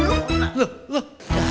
aduh aduh aduh